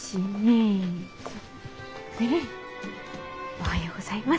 おはようございます。